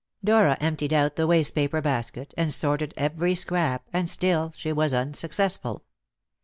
Dora emptied out the wastepaper basket, and sorted every scrap, and still she was unsuccessful.